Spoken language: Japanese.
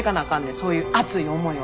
そういう熱い思いは。